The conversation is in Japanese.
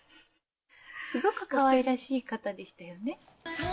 すごくかわいらしい方でしたよね。